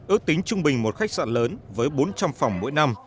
ước tính trung bình một khách sạn lớn với bốn trăm linh phòng mỗi năm